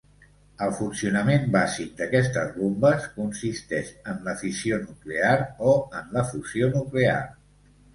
El funcionament bàsic d'aquestes bombes consisteix en la fissió nuclear o en la fusió nuclear.